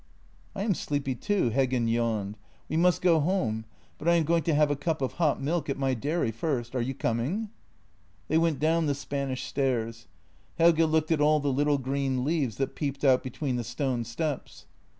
I am sleepy too." Heggen yawned. " We must go home, but I am going to have a cup of hot milk at my dairy first. Are you coming? " They went down the Spanish stairs. Helge looked at all the little green leaves that peeped out between the stone steps.